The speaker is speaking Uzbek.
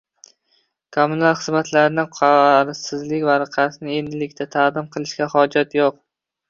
Kommunal xizmatlardan qarzsizlik varaqasini endilikda taqdim qilishga hojat yo'q.